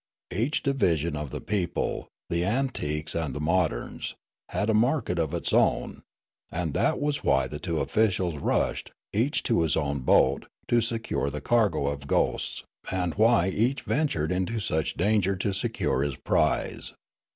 Each division of the people, the antiques and the moderns, had a market of its own, and that was why the two officials rushed, each to his own boat, to secure the cargo of ghosts, and why each 342 Riallaro ventured into such danger to secure his prize.